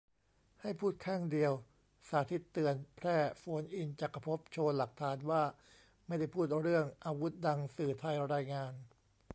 ให้พูดข้างเดียว : สาทิตย์เตือน แพร่โฟนอินจักรภพ โชว์หลักฐานว่าไม่ได้พูดเรื่องอาวุธดังสื่อไทยรายงาน